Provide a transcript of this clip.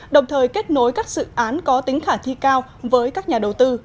đồng thời kết nối các dự án có tính khả thi cao với các nhà đầu tư